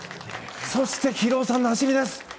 そして博男さんの走りです。